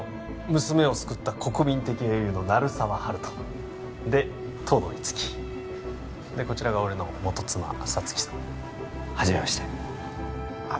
娘を救った国民的英雄の鳴沢温人で東堂樹生でこちらが俺の元妻沙月さんはじめましてあっ